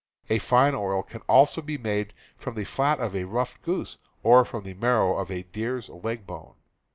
A fine oil can also be made from the fat of the ruffed grouse, or from the marrow of a deer's leg bones.